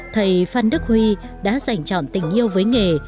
thầy phan đức huy đã giành chọn tình yêu với nghề